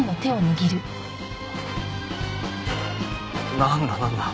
なんだなんだ？